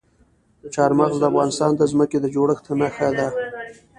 چار مغز د افغانستان د ځمکې د جوړښت نښه ده.